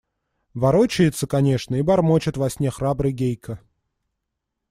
Ворочается, конечно, и бормочет во сне храбрый Гейка.